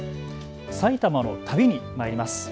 埼玉の旅にまいります。